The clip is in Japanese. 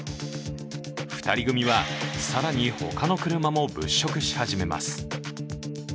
２人組は更に他の車も物色し始めます。